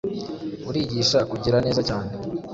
urigisha kugira neza cyane